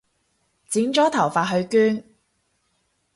剪咗頭髮去捐